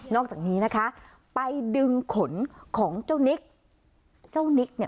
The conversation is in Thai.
นอกจากนี้นะคะไปดึงขนของเจ้านิก